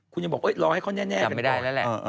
คุณยังบอกเอ๊ะรอให้เขาแน่